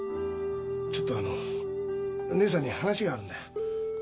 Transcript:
ちょっとあの義姉さんに話があるんだよ。